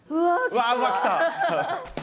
うわっうわ来た。